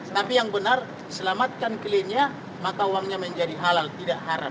tapi yang benar selamatkan kelindian maka uangnya menjadi halal tidak haram